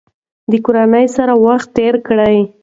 د کورنۍ سره وخت تیر کړئ.